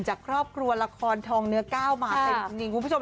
จากครอบครัวละครทองเนื้อก้าวมาเต็มจริงคุณผู้ชม